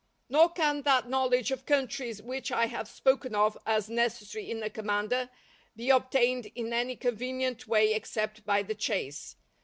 Nor can that knowledge of countries which I have spoken of as necessary in a commander, be obtained in any convenient way except by the chase.